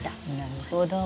なるほど。